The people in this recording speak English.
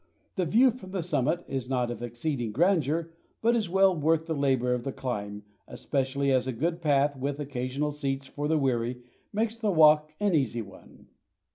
The view from the summit is not of exceeding grandeur, but is well worth the labor of the climb, especially as a good path, with occasional seats for the weary, makes the walk an easy one.